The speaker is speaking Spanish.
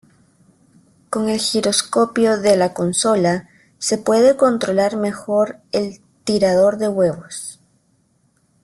Con el giroscopio de la consola, se puede controlar mejor el "Tirador de Huevos".